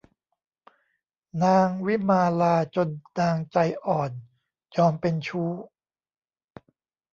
นางวิมาลาจนนางใจอ่อนยอมเป็นชู้